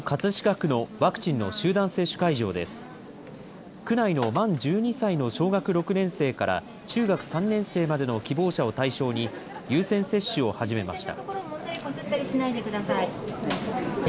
区内の満１２歳の小学６年生から中学３年生までの希望者を対象に、優先接種を始めました。